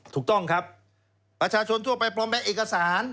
ถูกต้องครับประชาชนทั่วไปพร้อมในเอกสาร